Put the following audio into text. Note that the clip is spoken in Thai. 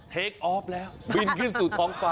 เทคออฟแล้วบินขึ้นสู่ท้องฟ้า